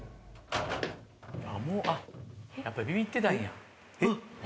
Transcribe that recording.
やっぱりビビってたんや。